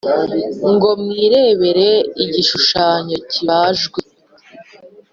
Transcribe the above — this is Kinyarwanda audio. ngo mwiremere igishushanyo kibajwe,